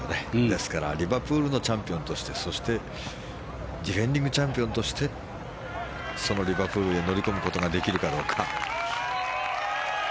ですから、リバプールのチャンピオンとしてそしてディフェンディングチャンピオンとしてそのリバプールへ乗り込むことができるかどうか。